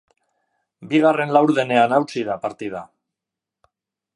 Bigarren laurdenean hautsi da partida.